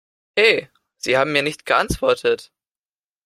He, Sie haben mir nicht geantwortet!